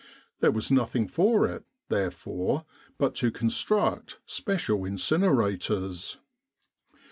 There was nothing for it, therefore, but to construct special incinerators.